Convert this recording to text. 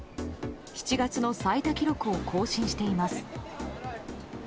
７月の最多記録を更新しています。